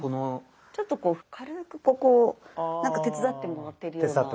ちょっとこう軽くここを手伝ってもらってるような。